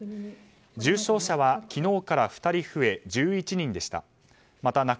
重症者は昨日から２人増え１１人でした。